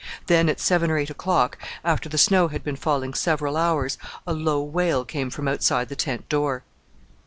Then, at seven or eight o'clock, after the snow had been falling several hours, a low wail came from outside the tent door.